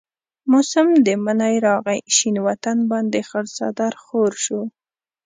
موسم د منی راغي شين وطن باندي خړ څادر خور شو